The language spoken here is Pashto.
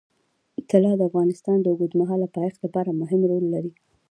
طلا د افغانستان د اوږدمهاله پایښت لپاره مهم رول لري.